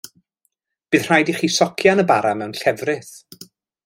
Bydd rhaid i chi socian y bara mewn llefrith.